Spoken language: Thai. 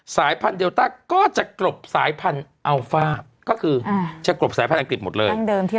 สายพันธุเดลต้าก็จะกรบสายพันธุ์อัลฟ่าก็คือจะกรบสายพันธุอังกฤษหมดเลย